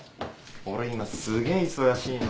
俺今すげえ忙しいの。